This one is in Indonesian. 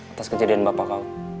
atas kejadian bapak kau